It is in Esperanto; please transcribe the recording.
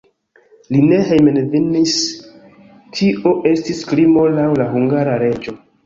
Li ne hejmenvenis, tio estis krimo laŭ la hungara leĝo.